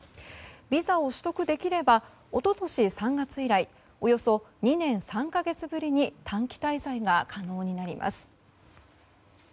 ビザを取得できれば一昨年３月以来およそ２年３か月ぶりに短期滞在が可能になります。